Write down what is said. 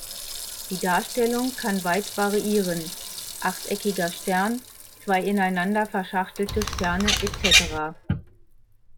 Die Darstellung kann weit variieren: achteckiger Stern, zwei ineinander verschachtelte Sterne etc.